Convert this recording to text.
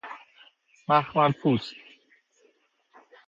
مخمل پست